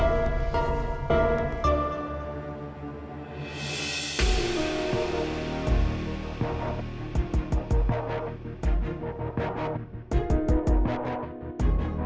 terima kasih pak